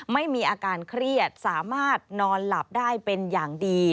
ไม่มีอาการเครียดสามารถนอนหลับได้เป็นอย่างดี